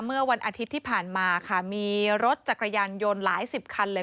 เมื่อวันอาทิตย์ที่ผ่านมาค่ะมีรถจักรยานยนต์หลายสิบคันเลย